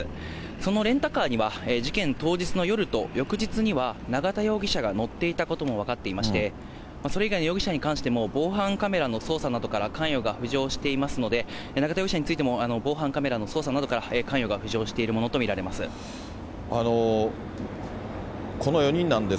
そのレンタカーには、事件当日の夜と、翌日には、永田容疑者が乗っていたことも分かっていまして、それ以外の容疑者に関しても、防犯カメラの捜査などから関与が浮上していますので、永田容疑者についても、防犯カメラの捜査などから関与が浮上しているものと見られます。